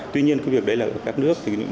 tuy nhiên cái việc đấy là ở các nước